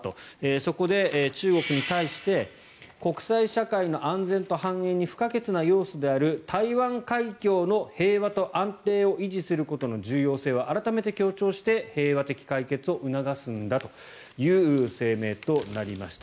そこで、中国に対して国際社会の安全と繁栄に不可欠な要素である台湾海峡の平和と安定を維持することの重要性を改めて強調して平和的解決を促すんだという声明となりました。